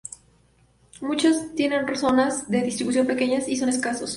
Muchos tienen zonas de distribución pequeñas y son escasos.